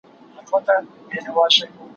زه او ته چي پیدا سوي پاچاهان یو